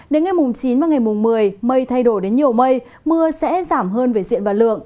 đến ngày mùng chín và ngày mùng một mươi mây thay đổi đến nhiều mây mưa sẽ giảm hơn về diện và lượng